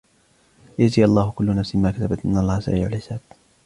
ليجزي الله كل نفس ما كسبت إن الله سريع الحساب